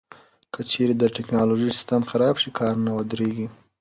که چیرې د ټکنالوژۍ سیستم خراب شي، کارونه ودریږي.